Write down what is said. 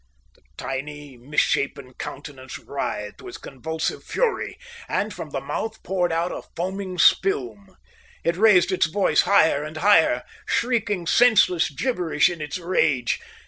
The tiny, misshapen countenance writhed with convulsive fury, and from the mouth poured out a foaming spume. It raised its voice higher and higher, shrieking senseless gibberish in its rage.